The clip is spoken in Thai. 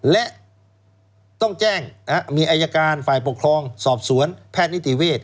และต้องแจ้งมีอายการฝ่ายปกครองสอบสวนแพทย์นิติเวศ